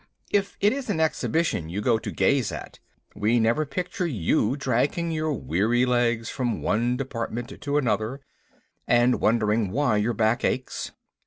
If it is an exhibition you go to gape at, we never picture you dragging your weary legs from one department to another, and wondering why your back is so sore.